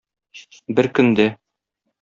Бер көндә.